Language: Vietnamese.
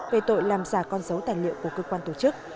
về tội làm giả con dấu tài liệu của cơ quan tổ chức